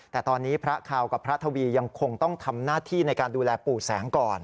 แต่ตอนนี้พระคาวกับพระทวียังคงต้องทำหน้าที่ในการดูแลปู่แสงก่อน